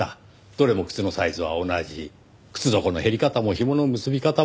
どれも靴のサイズは同じ靴底の減り方も紐の結び方も同じ。